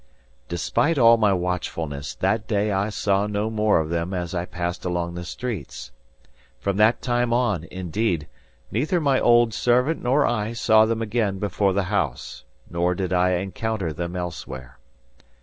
Despite all my watchfulness, that day I saw no more of them as I passed along the streets. From that time on, indeed, neither my old servant nor I saw them again before the house, nor did I encounter them elsewhere.